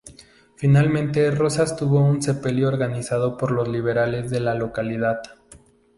Finalmente Rosas tuvo un sepelio organizado por los liberales de la localidad.